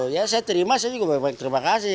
ya saya terima saya juga banyak banyak terima kasih